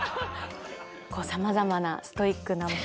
さまざまなストイックな。